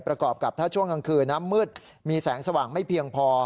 ประกอบกับถ้าช่วงกลางคืนน้ำมืดมีแสงสว่างไม่เพียงพอ